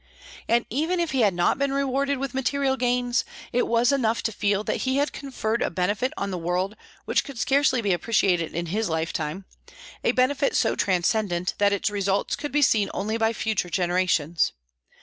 And even if he had not been rewarded with material gains, it was enough to feel that he had conferred a benefit on the world which could scarcely be appreciated in his lifetime, a benefit so transcendent that its results could be seen only by future generations.